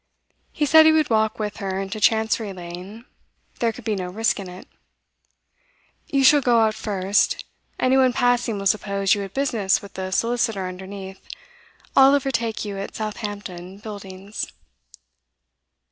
He said he would walk with her into Chancery Lane; there could be no risk in it. 'You shall go out first. Any one passing will suppose you had business with the solicitor underneath. I'll overtake you at Southampton Buildings.